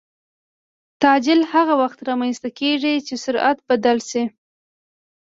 تعجیل هغه وخت رامنځته کېږي چې سرعت بدل شي.